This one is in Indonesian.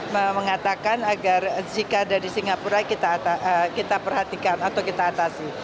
mengatakan agar zika dari singapura kita perhatikan atau kita atasi